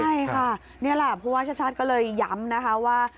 ใช่ค่ะนี่แหละเพราะว่าชัดก็เลยย้ำว่า